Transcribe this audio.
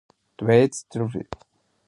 ¿Por qué nun lo piensa?